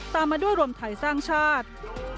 ตามมาด้วยรวมไทยสร้างชาติ